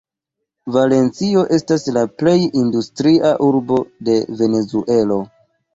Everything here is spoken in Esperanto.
Valencio estas la plej industria urbo de Venezuelo.